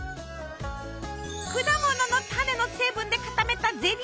果物の種の成分で固めたゼリー状のもの。